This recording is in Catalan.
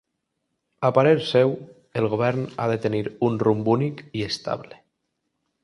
A parer seu, el govern ha de tenir un ‘rumb únic’ i estable.